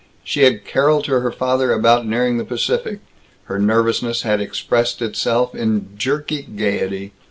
She had caroled to her father about nearing the Pacific. Her nervousness had expressed itself in jerky gaiety.